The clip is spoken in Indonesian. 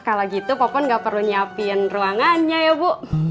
kalau gitu popon gak perlu nyiapin ruangannya ya bu